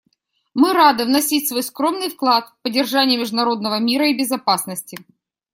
Мы рады вносить свой скромный вклад в поддержание международного мира и безопасности.